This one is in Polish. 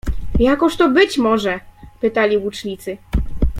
Jakoż to być może? — pytali łucznicy.